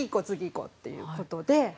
こうっていうことで。